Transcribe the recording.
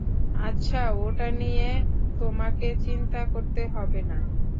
আচ্ছা, ওটা নিয়ে তোমাকে চিন্তা করতে হবে না।